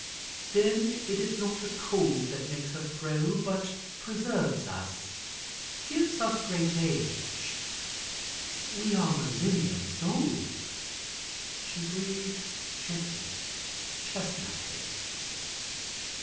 "Then it is not the cold that makes us grow, but preserves us, giving us great age. We are millenniums old," she breathes gently, chestnut haired.